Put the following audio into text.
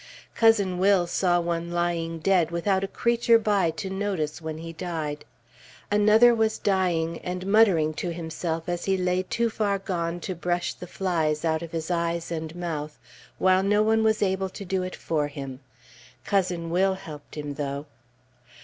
Cousin Will saw one lying dead without a creature by to notice when he died. Another was dying, and muttering to himself as he lay too far gone to brush the flies out of his eyes and mouth, while no one was able to do it for him. Cousin Will helped him, though.